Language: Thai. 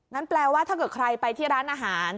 แปลว่าถ้าเกิดใครไปที่ร้านอาหาร